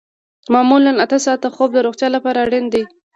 معمولاً اته ساعته خوب د روغتیا لپاره اړین دی